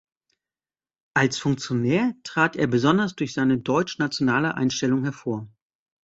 Als Funktionär trat er besonders durch seine deutschnationale Einstellung hervor.